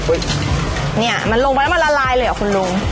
เนี่ยมันลงไปแล้วมันละลายเลยเหรอคุณลุง